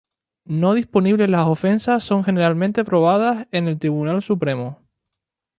No disponibles las ofensas son generalmente probadas en el Tribunal supremo.